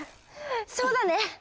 そうだね。